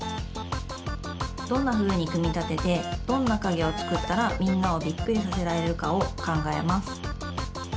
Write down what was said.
どんなふうにくみたててどんなかげをつくったらみんなをびっくりさせられるかをかんがえます。